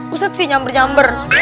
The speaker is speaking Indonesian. ustaz sih nyamber nyamber